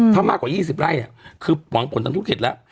ถ้ามากกว่า๒๐ไร่คือหวังผลทางธุรกิจแล้ว